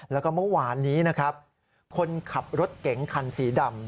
แล้วก็เมื่อวานนี้นะครับคนขับรถเก๋งคันสีดำ